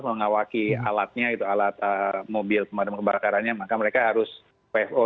mengawaki alatnya itu alat mobil pemadam kebakarannya maka mereka harus wfo